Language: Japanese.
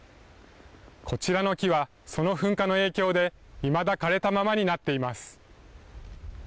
こちらの木は、その噴火の影響でいまだ枯れたままになっています。